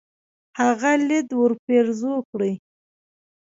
هغه ليد ورپېرزو کړي.